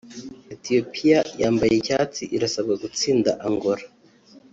Ethiopia (yambaye icyatsi) irasabwa gutsinda Angola